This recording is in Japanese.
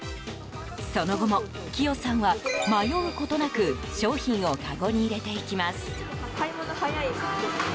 その後も紀代さんは迷うことなく商品をかごに入れていきます。